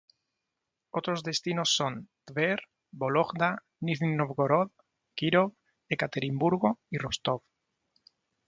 Otros destinos son: Tver, Vólogda, Nizhny Nóvgorod, Kírov, Ekaterimburgo y Rostov.